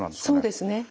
そうですね。